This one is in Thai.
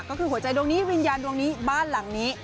ก็คือหัวใจดวงนี้วิญญาณดวงนี้บ้านหลังนี้